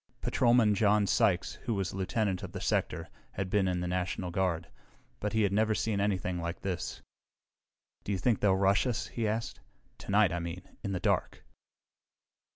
Patrolman John Sykes, who was lieutenant of the sector, had been in the National Guard, but he had never seen anything like this. "Do you think they'll rush us?" he asked. "Tonight, I mean, in the dark."